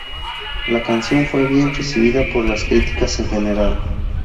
La canción fue bien recibida por las críticas en general.